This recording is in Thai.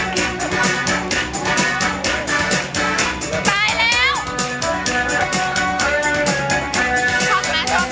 ตายแล้ว